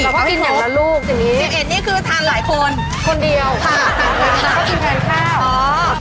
ใช่แล้วก็กินอย่างละลูกสิบเอ็ดนี่คือทานหลายคนคนเดียวเขากินแพนข้าวอ๋อ